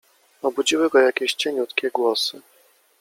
Obudziły go jakieś cieniutkie głosy.